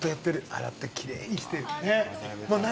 洗ってきれいにしてる。